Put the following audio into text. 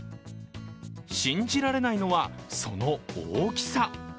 信じられないのは、その大きさ。